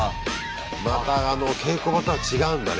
また稽古場とは違うんだね。